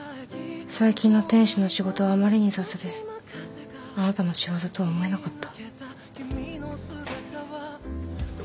最近の天使の仕事はあまりに雑であなたの仕業とは思えなかった。